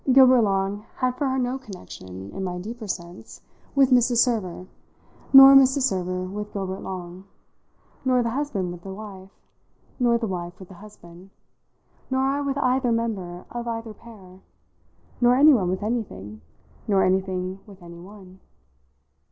Gilbert Long had for her no connection, in my deeper sense, with Mrs. Server, nor Mrs. Server with Gilbert Long, nor the husband with the wife, nor the wife with the husband, nor I with either member of either pair, nor anyone with anything, nor anything with anyone.